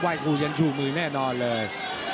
คู่ฉันชูมือแน่นอนเลย